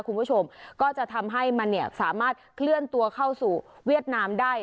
คุณผู้ชมก็จะทำให้มันเนี่ยสามารถเคลื่อนตัวเข้าสู่เวียดนามได้